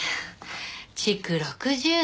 築６０年よ。